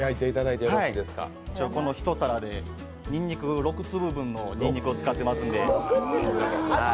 この一皿でにんにく６粒分を使ってますので。